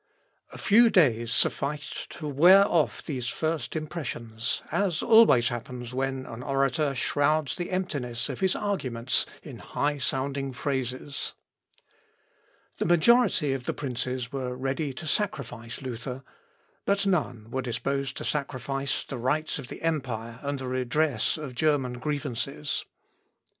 A few days sufficed to wear off these first impressions, as always happens when an orator shrouds the emptiness of his arguments in high sounding phrases. [Sidenote: SPEECH OF DUKE GEORGE.] The majority of the princes were ready to sacrifice Luther, but none were disposed to sacrifice the rights of the empire and the redress of German grievances.